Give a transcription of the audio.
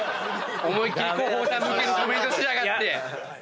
思いっ切り広報さん向けのコメントしやがって！